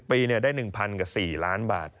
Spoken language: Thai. ปีได้๑๐๐กับ๔ล้านบาท